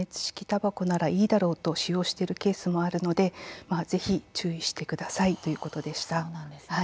たばこならいいだろうと使用しているケースもあるのでぜひ、注意してくださいということでした。